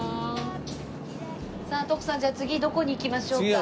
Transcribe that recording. さあ徳さんじゃあ次どこに行きましょうか？